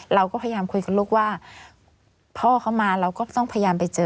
เราก็พยายามคุยกับลูกว่าพ่อเขามาเราก็ต้องพยายามไปเจอ